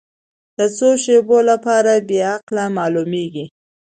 د څو شیبو لپاره بې عقل معلومېږي.